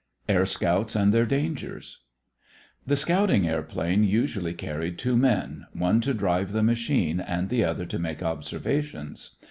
AIR SCOUTS AND THEIR DANGERS The scouting airplane usually carried two men, one to drive the machine and the other to make observations.